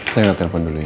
saya nge telepon dulu ya